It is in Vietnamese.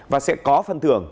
và sẽ có phân thưởng